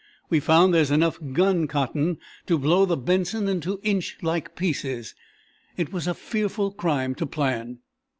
"We found there enough gun cotton to blow the 'Benson' into inch pieces. It was a fearful crime to plan."